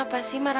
kamilah siapa aja